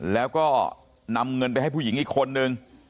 แล้วก็นำเงินไปให้ผู้หญิงอีกคนนึง